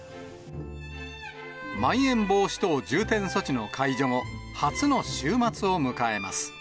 まん延防止等重点措置の解除後、初の週末を迎えます。